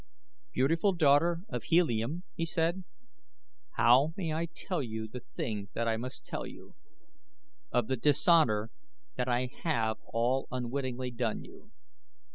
"Beautiful daughter of Helium," he said, "how may I tell you the thing that I must tell you of the dishonor that I have all unwittingly done you?